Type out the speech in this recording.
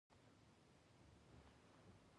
له صادقانه دیندارۍ سره ښه جوړ و.